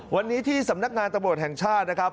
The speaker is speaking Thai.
วันนี้ที่สำนักงานตำรวจแห่งชาตินะครับ